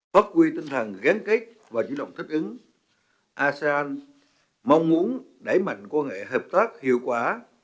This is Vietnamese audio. phát huy tinh thần gán kết và chủ động thích ứng asean mong muốn đẩy mạnh quan hệ hợp tác hiệu quả